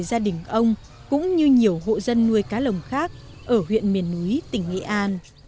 gia đình ông cũng như nhiều hộ dân nuôi cá lồng khác ở huyện miền núi tỉnh nghệ an